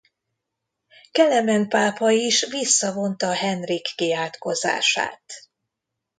Kelemen pápa is visszavonta Henrik kiátkozását.